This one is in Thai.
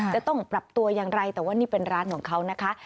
จะต้องปรับตัวอย่างไรแต่ว่านี่เป็นร้านของเขานะคะ